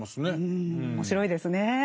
うん面白いですね。